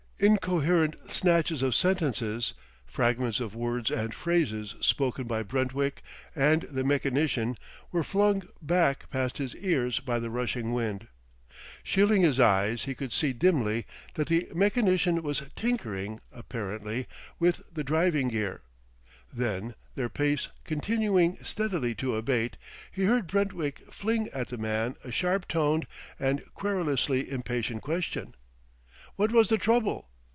Incoherent snatches of sentences, fragments of words and phrases spoken by Brentwick and the mechanician, were flung back past his ears by the rushing wind. Shielding his eyes he could see dimly that the mechanician was tinkering (apparently) with the driving gear. Then, their pace continuing steadily to abate, he heard Brentwick fling at the man a sharp toned and querulously impatient question: What was the trouble?